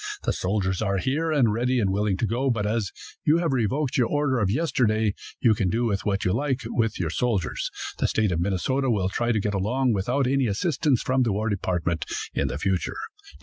The soldiers are here, and ready and willing to go, but as you have revoked your order of yesterday, you can do what you like with your soldiers. The State of Minnesota will try to get along without any assistance from the war department in the future.